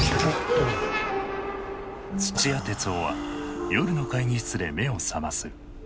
土屋徹生は夜の会議室で目を覚ます。